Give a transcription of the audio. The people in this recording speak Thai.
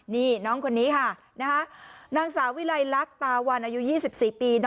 นี่น้องคนนี้ค่ะนะฮะนางสาวิไรรักตาวันอายุ๒๔ปี